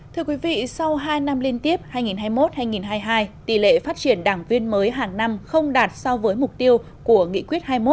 thưa quý vị sau hai năm liên tiếp hai nghìn hai mươi một hai nghìn hai mươi hai tỷ lệ phát triển đảng viên mới hàng năm không đạt so với mục tiêu của nghị quyết hai mươi một